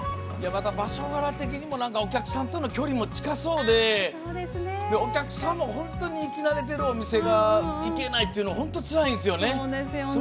場所柄的にもお客さんとの距離も近そうでお客さんも本当に行きなれてるお店に行けないっていうの本当、つらいんですよね。